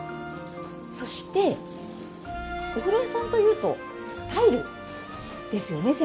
そしてお風呂屋さんというとタイルですよね